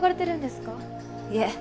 いえ。